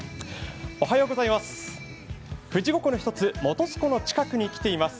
おはようございます。